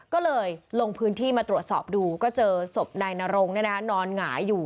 ก็เลยลงพื้นที่มาตรวจสอบดูก็เจอศพนายนรงนอนหงายอยู่